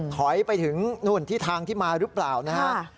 ถอยไปถึงทางที่มาหรือเปล่านะครับ